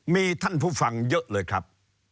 มีท่านผู้ฟังเยอะเลยครับ